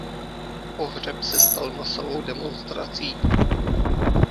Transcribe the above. Pohřeb se stal masovou demonstrací.